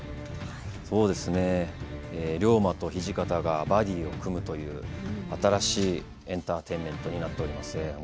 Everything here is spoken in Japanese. そうですね龍馬と土方がバディーを組むという新しいエンターテインメントになっております。